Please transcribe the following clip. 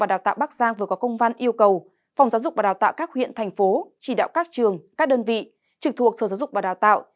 đào tạo các huyện thành phố chỉ đạo các trường các đơn vị trực thuộc sở giáo dục và đào tạo